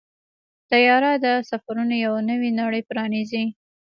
طیاره د سفرونو یو نوې نړۍ پرانیزي.